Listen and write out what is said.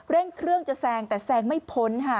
เร่งเครื่องจะแซงแต่แซงไม่พ้นค่ะ